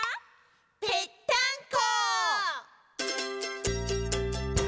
「ぺったんこ！」